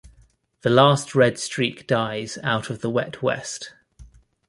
The last red streak dies out of the wet west.